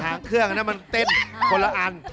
หางเครื่องอันนั้นมันเต้นคนละอัน